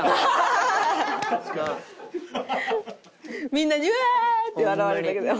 みんなに「うわあ！」って笑われるだけだよ